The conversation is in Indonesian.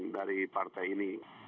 dari partai ini